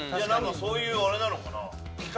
そういうあれなのかな？